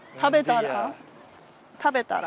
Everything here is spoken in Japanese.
食べたら？